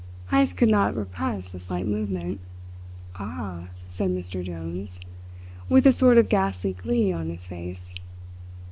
Heyst could not repress a slight movement. "Aha!" said Mr. Jones, with a sort of ghostly glee on his face.